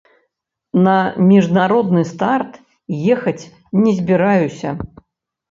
На міжнародны старт ехаць не збіраюся.